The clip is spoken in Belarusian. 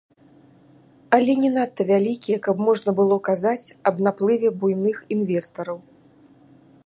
Але не надта вялікія, каб можна было казаць аб наплыве буйных інвестараў.